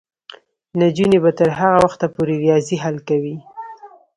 نجونې به تر هغه وخته پورې ریاضي حل کوي.